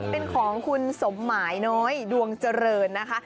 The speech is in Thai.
เป็นของคุณสมหมายน้อยดวงเจริญนะคะ